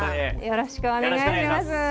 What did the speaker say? よろしくお願いします。